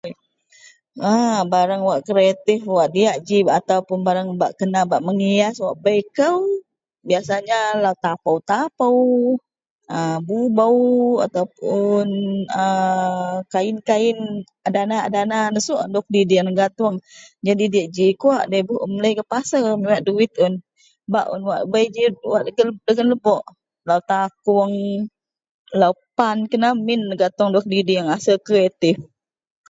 ....aaa... Bareang wal kretif diyak ji atau bareang wak kena bak menghias wak bei kou. Biasanya tapow, tapow, bobow atau puon ..[aaa]..kain-kain a dana a dana nesok dawok diding negatong jadi diyak ji kawak. Nda ibuh un melei gak paser miwek duit un. Bak un wak bei dagen lebok lo takoung lo pan kena min negatong dawok diding asel kretif.